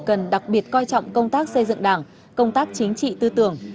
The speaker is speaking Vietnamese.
cần đặc biệt coi trọng công tác xây dựng đảng công tác chính trị tư tưởng